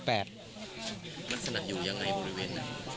ลักษณะอยู่อย่างไรบริเวณ